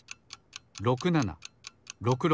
６７６６。